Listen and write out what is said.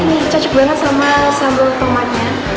ini cocok banget sama sambal tomatnya